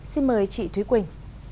xin mời chị thúy quỳnh